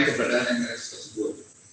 keberadaan mrs tersebut